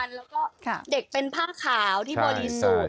แล้วก็เด็กเป็นผ้าขาวที่บริสุทธิ์